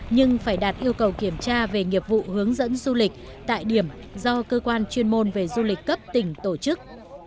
nhưng phải đạt yêu cầu kiểm tra về nghiệp vụ hướng dẫn du lịch tại điểm do cơ quan chuyên môn về du lịch cấp tỉnh tổ chức